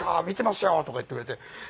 見てますよ」とか言ってくれて。